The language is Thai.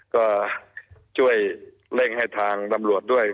ก็ช่วยเร่งให้ทางตำรวจด้วย